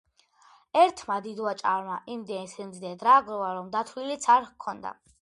ერთმა დიდვაჭარმა იმდენი სიმდიდრე დააგროვა, რომ დათვლილიც არ ჰქონდა